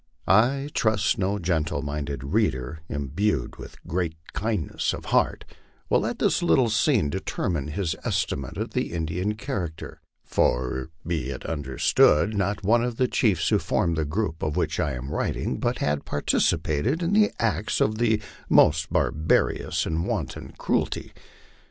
I trust no gentle minded reader, imbued with great kindness of heart, will let this little scene determine his estimate of the Indian character; for be it understood, not one of the chiefs who formed the group of which I am writing but had participated in acts of the most barbarous and wanton cruelty.